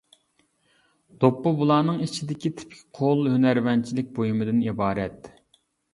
دوپپا بۇلارنىڭ ئىچىدىكى تىپىك قول ھۈنەرۋەنچىلىك بۇيۇمىدىن ئىبارەت.